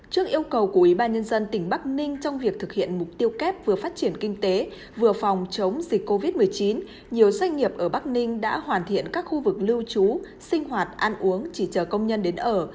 trước yêu cầu của ủy ban nhân dân tỉnh bắc ninh trong việc thực hiện mục tiêu kép vừa phát triển kinh tế vừa phòng chống dịch covid một mươi chín nhiều doanh nghiệp ở bắc ninh đã hoàn thiện các khu vực lưu trú sinh hoạt ăn uống chỉ chờ công nhân đến ở